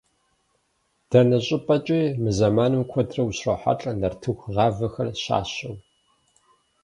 Дэнэ щӏыпӏэкӏи мы зэманым куэдрэ ущрохьэлӏэ нартыху гъэвахэр щащэу.